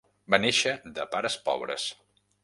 Va néixer de pares pobres.